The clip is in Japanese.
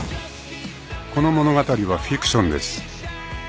［この物語はフィクションです］